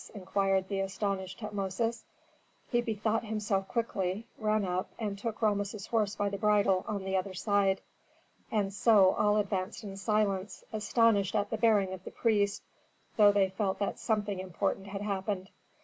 inquired the astonished Tutmosis. He bethought himself quickly, ran up, and took Rameses' horse by the bridle on the other side. And so all advanced in silence, astonished at the bearing of the priest, though they felt that something important had happened.